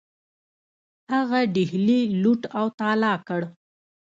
هغه ډیلي لوټ او تالا کړ.